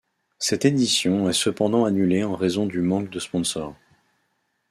Cette édition est cependant annulée en raison du manque de sponsors.